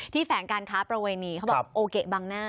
ที่แฝงการค้าประเวณีบางแหน้า